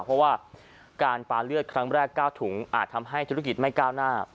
เพราะว่าการปาเลือดครั้งแรก๙ถุงอาจทำให้ธุรกิจไม่ก้าวหน้า